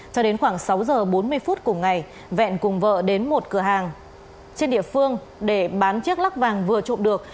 cho đến khoảng sáu giờ bốn mươi phút cùng ngày vẹn cùng vợ đến một cửa hàng trên địa phương để bán chiếc lắc vàng vừa trộm được